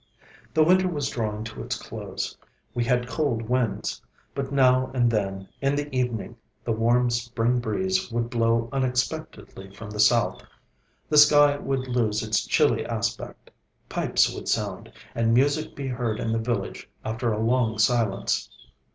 The winter was drawing to its close. We had cold winds. But now and then in the evening the warm spring breeze would blow unexpectedly from the south; the sky would lose its chilly aspect; pipes would sound, and music be heard in the village after a long silence.